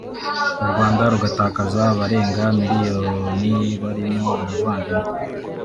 u Rwanda rugatakaza abarenga miliyoni barimo abavandimwe